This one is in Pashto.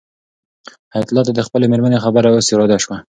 حیات الله ته د خپلې مېرمنې خبره اوس رایاده شوه.